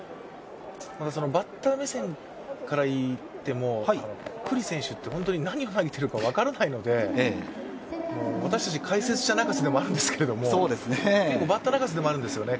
バッター目線からいっても九里選手って本当に何を投げているのか分からないので私たち解説者泣かせではあるんですけど、結構バッター泣かせでもあるんですよね。